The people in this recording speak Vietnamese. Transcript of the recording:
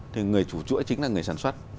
thì người chủ chuỗi chính là người sản xuất